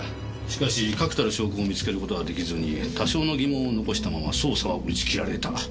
しかし確たる証拠を見つけることが出来ずに多少の疑問を残したまま捜査は打ち切られた。